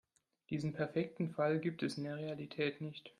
Diesen perfekten Fall gibt es in der Realität nicht.